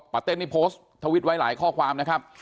ปัตเตศในโพสต์ทวิสไว้หลายข้อความนะครับ